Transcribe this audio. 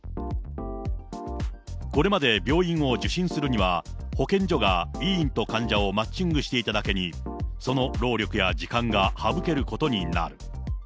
これまで病院を受診するには、保健所が医院と患者をマッチングしていただけに、その労力や時間が省けることになる。